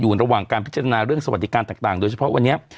ระหว่างการพิจารณาเรื่องสวัสดิการต่างโดยเฉพาะวันนี้